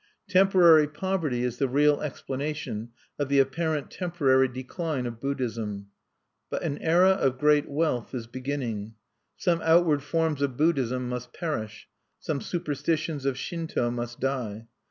Temporary poverty is the real explanation of the apparent temporary decline of Buddhism. But an era of great wealth is beginning. Some outward forms of Buddhism must perish; some superstitions of Shinto must die.